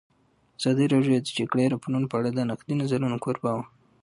ازادي راډیو د د جګړې راپورونه په اړه د نقدي نظرونو کوربه وه.